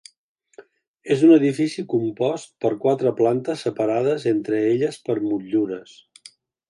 És un edifici compost per quatre plantes separades entre elles per motllures.